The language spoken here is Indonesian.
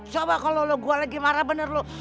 coba kalo lu gua lagi marah bener lu